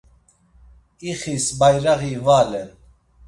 İxis bayraği ivalen.